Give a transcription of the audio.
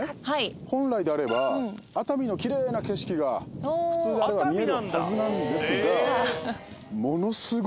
本来であれば熱海の綺麗な景色が普通であれば見えるはずなんですが。